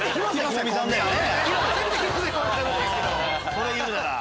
それ言うなら。